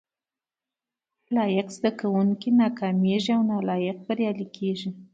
لایق زده کوونکي ناکامیږي او نالایق بریالي کیږي